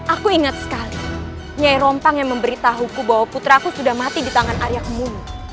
aku ingat sekali nyai rompang yang memberitahuku bahwa putraku sudah mati di tangan ayahmu